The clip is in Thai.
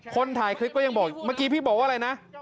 คนถ่ายคลิปก็ยังบอกเมื่อกี้พี่บอกว่าอะไรนะ